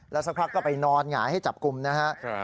แล้วสักพักก็ไปนอนหงายให้จับกลุ่มนะครับ